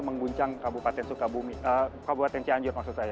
mengguncang kabupaten cianjur